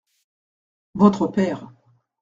Votre père.